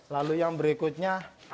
lalu yang berikutnya